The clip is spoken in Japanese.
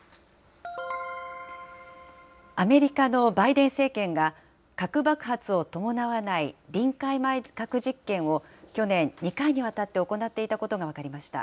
アメリカのバイデン政権が、核爆発を伴わない臨界前核実験を去年、２回にわたって行っていたことが分かりました。